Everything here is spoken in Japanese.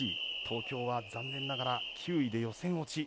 東京は、残念ながら９位で予選落ち。